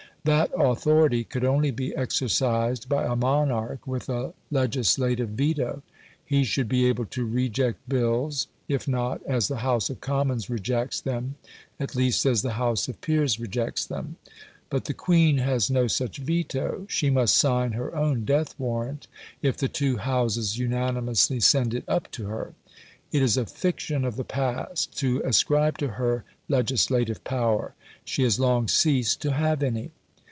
That authority could only be exercised by a monarch with a legislative veto. He should be able to reject bills, if not as the House of Commons rejects them, at least as the House of Peers rejects them. But the Queen has no such veto. She must sign her own death warrant if the two Houses unanimously send it up to her. It is a fiction of the past to ascribe to her legislative power. She has long ceased to have any.